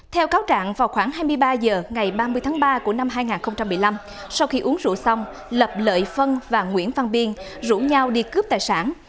theo cáo trạng vào khoảng hai mươi ba h ngày ba mươi tháng ba của năm hai nghìn một mươi năm sau khi uống rượu xong lập lợi phân và nguyễn văn biên rủ nhau đi cướp tài sản